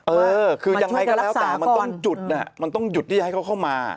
เออคือยังไงก็แล้วแต่มันต้องจุดมันต้องหยุดที่จะให้เขาเข้ามา